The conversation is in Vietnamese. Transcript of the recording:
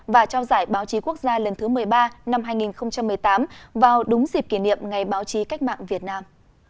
và trao giải báo chí quốc gia lần thứ một mươi ba năm hai nghìn một mươi tám vào đúng dịp kỷ niệm ngày báo chí cách mạng việt nam